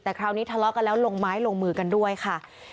แต่คราวนี้ทะเลาะกันแล้วลงไม้ลงมือกันด้วยค่ะ